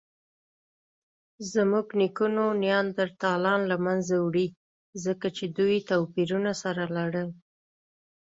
زموږ نیکونو نیاندرتالان له منځه وړي؛ ځکه چې دوی توپیرونه سره لرل.